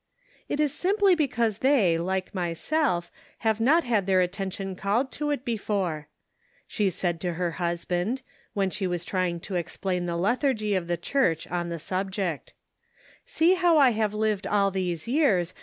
" It is simply because they, like myself, have not had their attention called to it before," she said to her husband, when she was trying to explain the lethargy of the Church on the subject ;" see how I have lived all these years, 219 220 The Pocket Measure.